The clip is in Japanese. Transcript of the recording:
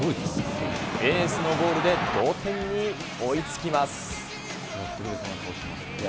エースのゴールで同点に追いつきます。